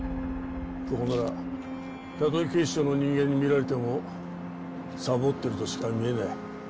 ここならたとえ警視庁の人間に見られてもサボってるとしか見えない。